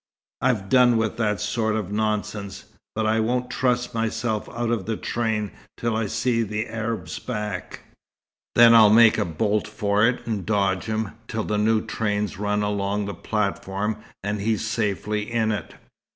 "I've done with that sort of nonsense; but I won't trust myself out of the train till I see the Arab's back. Then I'll make a bolt for it and dodge him, till the new train's run along the platform and he's safely in it."